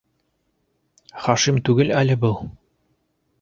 Хашим түгел әле был.